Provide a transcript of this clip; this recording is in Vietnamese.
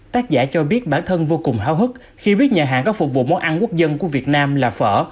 tác giả cho biết bản thân vô cùng hào hức khi biết nhà hàng có phục vụ món ăn quốc dân của việt nam là phở